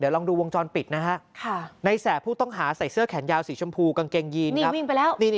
ลองดูวงจรปิดนะฮะในแสบผู้ต้องหาใส่เสื้อแขนยาวสีชมพูกางเกงยีนครับ